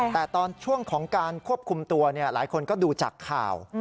แต่ตอนช่วงของการควบคุมตัวหลายคนก็ดูจากข่าว